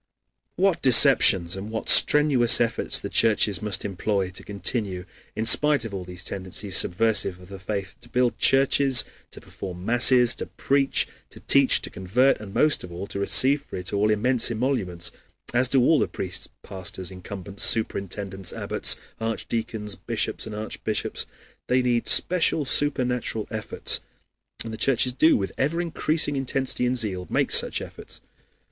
What deceptions and what strenuous efforts the churches must employ to continue, in spite of all these tendencies subversive of the faith, to build churches, to perform masses, to preach, to teach, to convert, and, most of all, to receive for it all immense emoluments, as do all these priests, pastors, incumbents, superintendents, abbots, archdeacons, bishops, and archbishops. They need special supernatural efforts. And the churches do, with ever increasing intensity and zeal, make such efforts.